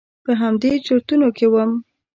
په همدې چرتونو کې وم.